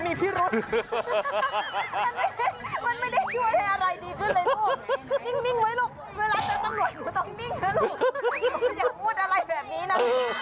อยากพูดอะไรแบบนี้นะ